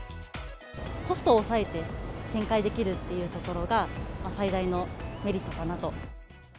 コストを抑えて展開できるっていうところが、最大のメリットかなと。